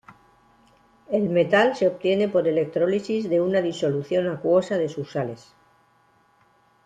El metal se obtiene por electrólisis de una disolución acuosa de sus sales.